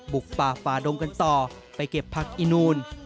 บุกป่าฝาดงกันต่อไปเก็บผักอินูล